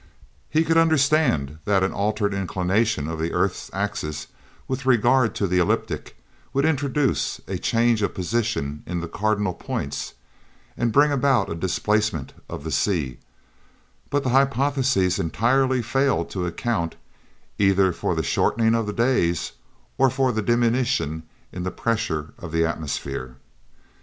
He could understand that an altered inclination of the earth's axis with regard to the ecliptic would introduce a change of position in the cardinal points, and bring about a displacement of the sea; but the hypothesis entirely failed to account, either for the shortening of the days, or for the diminution in the pressure of the atmosphere.